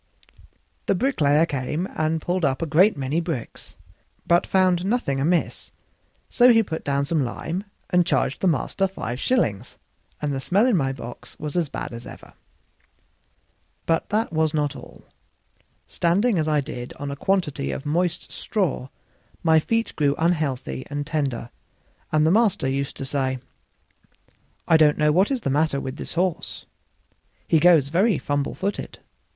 The bricklayer came and pulled up a great many bricks, but found nothing amiss; so he put down some lime and charged the master five shillings, and the smell in my box was as bad as ever. But that was not all: standing as I did on a quantity of moist straw my feet grew unhealthy and tender, and the master used to say: "I don't know what is the matter with this horse; he goes very fumble footed.